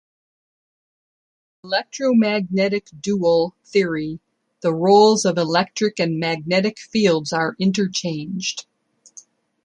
In an electromagnetic dual theory the roles of electric and magnetic fields are interchanged.